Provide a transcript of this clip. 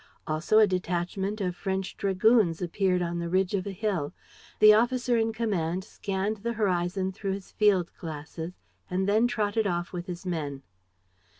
Also a detachment of French dragoons appeared on the ridge of a hill. The officer in command scanned the horizon through his field glasses and then trotted off with his men.